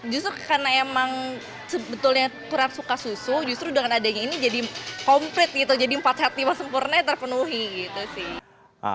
justru karena emang sebetulnya kurang suka susu justru dengan adanya ini jadi komplit gitu jadi empat hati sempurna terpenuhi gitu sih